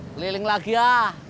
keliling lagi ya